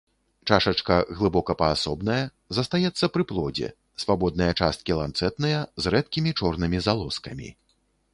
Чашачка глыбока-паасобная, застаецца пры плодзе, свабодныя часткі ланцэтныя, з рэдкімі чорнымі залозкамі.